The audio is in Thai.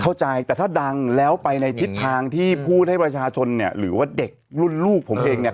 เข้าใจแต่ถ้าดังแล้วไปในทิศทางที่พูดให้ประชาชนเนี่ยหรือว่าเด็กรุ่นลูกผมเองเนี่ย